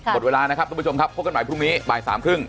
บทเวลานะครับทุกผู้ชมพบกันใหม่พรุ่งนี้บ่าย๓๓๐